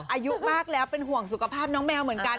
อายุมากแล้วเป็นห่วงสุขภาพน้องแมวเหมือนกัน